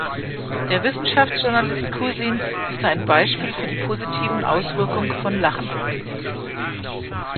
Der Wissenschaftsjournalist Cousins ist ein Beispiel für die positiven Auswirkung von Lachen.